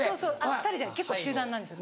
２人じゃない結構集団なんですよ